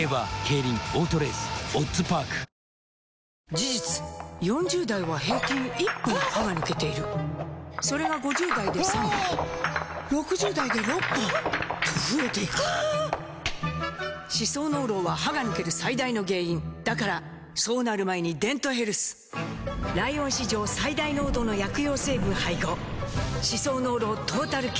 事実４０代は平均１本歯が抜けているそれが５０代で３本６０代で６本と増えていく歯槽膿漏は歯が抜ける最大の原因だからそうなる前に「デントヘルス」ライオン史上最大濃度の薬用成分配合歯槽膿漏トータルケア！